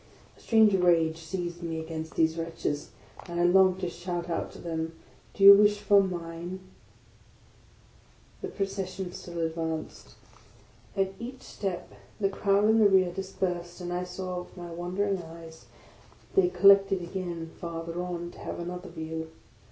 A strange rage seized me against these wretches, and I longed to shout out to them, " Do you wish for mine? " The procession still advanced. At each step the crowd in the rear dispersed; and I saw, with my wandering eyes, that they collected again farther on, to have another view.